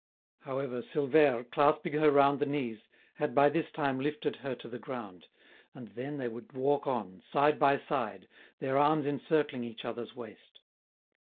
However, Silvère, clasping her round the knees, had by this time lifted her to the ground, and then they would walk on, side by side, their arms encircling each other's waist.